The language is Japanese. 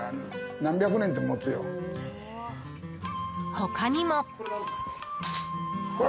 他にも。